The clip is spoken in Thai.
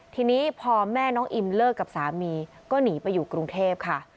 ทีนี้พอแม่น้องอิมเลิกกับสามีก็หนีไปอยู่กรุงเทพค่ะ